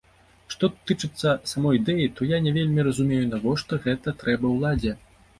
Што тычыцца самой ідэі, то я не вельмі разумею, навошта гэта трэба ўладзе.